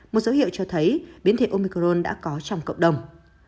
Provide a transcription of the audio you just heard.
một dấu hiệu cho thấy biến thể omicron đã có trong cộng đồng